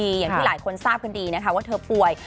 อย่างที่หลายคนทราบกันดีนะคะว่าเธอป่วย